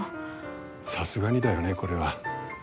さすがにだよねこれは。